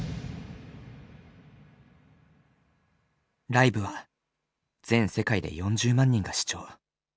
ライブは全世界で４０万人が視聴。